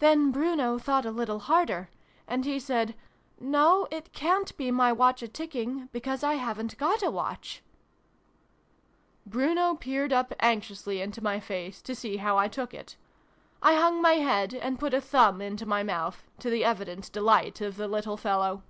"Then Bruno thought a little harder. And he said 'No! It cant be my Watch a tick ing ; because I haven't got a Watch !': Bruno peered up anxiously into my face, to see how I took it. I hung my head, and put a thumb into my mouth, to the evident delight of the little fellow.